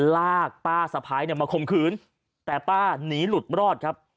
ลากป้าสะพ้ายเนี่ยมาข่มขืนแต่ป้านีหลุดรอดครับ